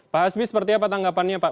pak hasbi seperti apa tanggapannya pak